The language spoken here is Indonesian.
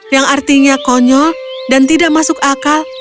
yang artinya konyol dan tidak masuk akal